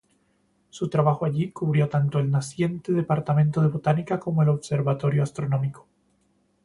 Su trabajo allí cubrió tanto el naciente Departamento de botánica como el Observatorio astronómico.